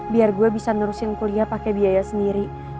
biar gue bisa nerusin kuliah pakai biaya sendiri